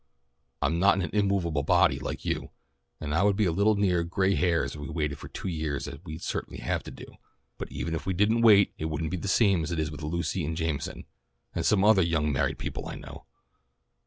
"I'm not an 'immovable body' like you. And I would be a little nearer gray hairs if we waited for two years as we'd certainly have to do, but even if we didn't wait it wouldn't be the same as it is with Lucy and Jameson, and some other young married people I know.